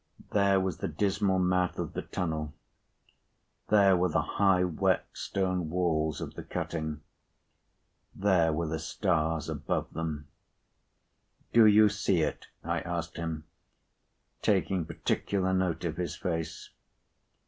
There, was the dismal mouth of the tunnel. There, were the high wet stone walls of the cutting. There, were the stars above them. "Do you see it?" I asked him, taking particular note of his face.